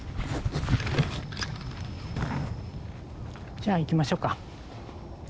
じゃあ行きましょうか。